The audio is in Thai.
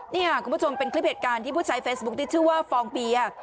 นี่ค่ะคุณผู้ชมเป็นคลิปเหตุการณ์ที่ผู้ใช้เฟซบุ๊คที่ชื่อว่าฟองเปีย